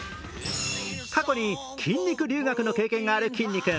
過去に筋肉留学の経験があるきんに君。